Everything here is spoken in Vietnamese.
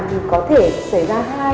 thì có thể xảy ra hai